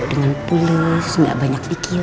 karena ngeliat mbak andin sama asya lu dah akur lagi